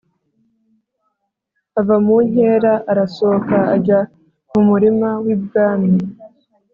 ava mu nkera arasohoka ajya mu murima w ibwami